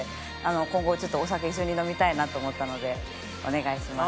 今後ちょっとお酒一緒に飲みたいなと思ったのでお願いします。